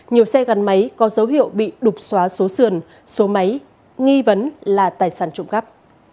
nhiều xe gắn máy có dấu hiệu bị đục xóa số sườn số máy nghi vấn là tài sản trộm cắp